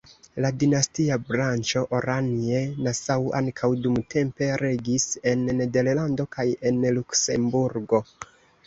La dinastia branĉo Oranje-Nassau ankaŭ dumtempe regis en Nederlando kaj en Luksemburgo.